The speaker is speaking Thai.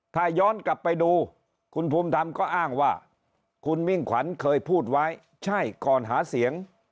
ถ้าย้อนกลับไปดูคุณภูมิธรรมก็อ้างว่าคุณมิ่งขวัญเคยพูดไว้ใช่ก่อนหาเสียง